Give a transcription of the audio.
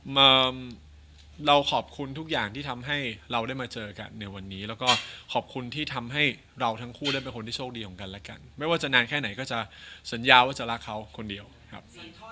มาเราขอบคุณทุกอย่างที่ทำให้เราได้มาเจอกันในวันนี้แล้วก็ขอบคุณที่ทำให้เราทั้งคู่ได้เป็นคนที่โชคดีของกันและกันไม่ว่าจะนานแค่ไหนก็จะสัญญาว่าจะรักเขาคนเดียวครับ